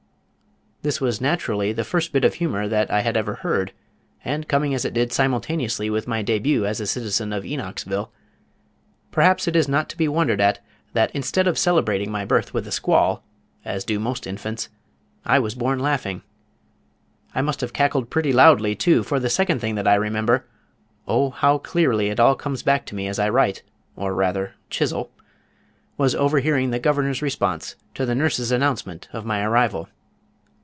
This was naturally the first bit of humor that I had ever heard, and coming as it did simultaneously with my début as a citizen of Enochsville, perhaps it is not to be wondered at that instead of celebrating my birth with a squall, as do most infants, I was born laughing. I must have cackled pretty loudly, too, for the second thing that I remember O, how clearly it all comes back to me as I write, or rather chisel was overhearing the Governor's response to the nurse's announcement of my arrival.